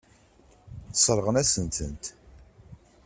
Sseṛɣen-asen-tent.